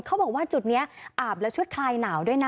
เขาบอกว่าจุดนี้อาบแล้วช่วยคลายหนาวด้วยนะ